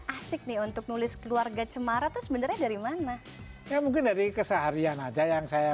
asik nih untuk nulis keluarga cemara tuh sebenarnya dari mana ya mungkin dari keseharian aja yang saya